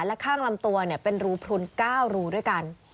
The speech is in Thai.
และข้างลำตัวเป็นรูพลุน๙รูด้วยกัน